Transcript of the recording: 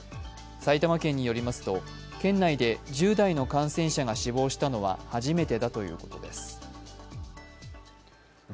埼玉県によりますと県内で１０代の感染者が死亡したのは初めてだということです。